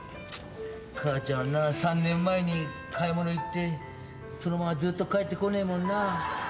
母ちゃんな３年前に買い物行ってそのままずーっと帰ってこねえもんな。